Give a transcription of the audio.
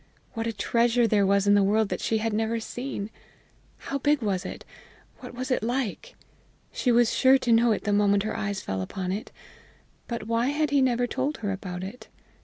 What a treasure there was in the world that she had never seen! How big was it? what was it like? She was sure to know it the moment her eyes fell upon it. But why had he never told her about it?